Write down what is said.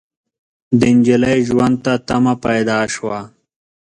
د نجلۍ ژوند ته تمه پيدا شوه.